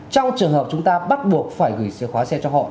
trong trường hợp chúng ta bắt buộc phải gửi chìa khóa xe cho họ